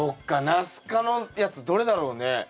ナス科のやつどれだろうね？